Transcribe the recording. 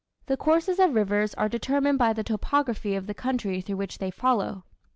The courses of rivers are determined by the topography of the country through which they flow.